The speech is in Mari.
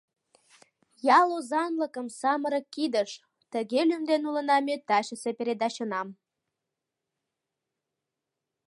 «Ял озанлыкым — самырык кидыш — тыге лӱмден улына ме тачысе передачынам.